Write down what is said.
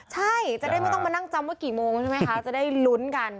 ใช่จะได้ไม่ต้องมานั่งจำว่ากี่โมงใช่ไหมคะจะได้ลุ้นกัน